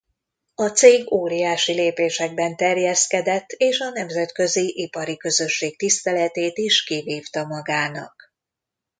A cég óriási lépésekben terjeszkedett és a nemzetközi ipari közösség tiszteletét is kivívta magának.